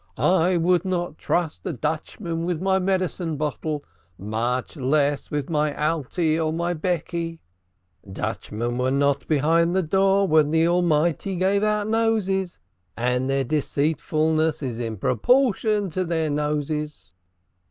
"I would not trust a Dutchman with my medicine bottle, much less with my Alte or my Becky. Dutchmen were not behind the door when the Almighty gave out noses, and their deceitfulness is in proportion to their noses."